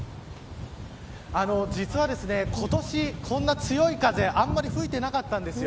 実は今年、こんな強い風あまり吹いていなかったんです。